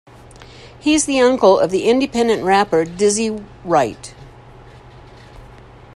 He's the uncle of the independent rapper, Dizzy Wright.